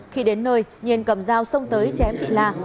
khi đến nơi nhiên cầm dao xông tới chém chị la